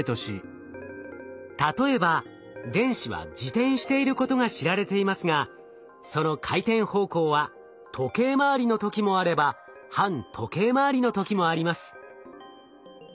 例えば電子は自転していることが知られていますがその回転方向は時計回りの時もあれば反時計回りの時もあります。